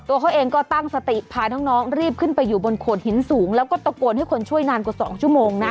เขาเองก็ตั้งสติพาน้องรีบขึ้นไปอยู่บนโขดหินสูงแล้วก็ตะโกนให้คนช่วยนานกว่า๒ชั่วโมงนะ